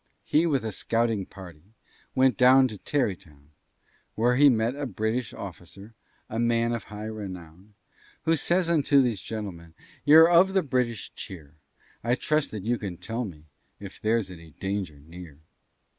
He with a scouting party Went down to Tarrytown, Where he met a British officer, A man of high renown, Who says unto these gentlemen, "You're of the British cheer, I trust that you can tell me If there's any danger near?"